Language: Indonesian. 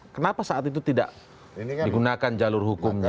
kenapa saat itu tidak digunakan jalur hukumnya